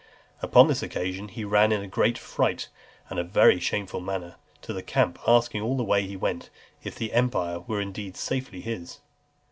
(326) Upon this occasion he ran in a great fright, and a very shameful manner, to the camp, asking all the way he went, "if the empire were indeed safely his?"